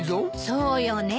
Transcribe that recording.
そうよね。